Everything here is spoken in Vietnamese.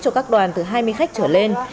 cho các đoàn từ hai mươi khách trở lên